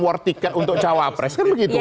war ticket untuk cawapres kan begitu kan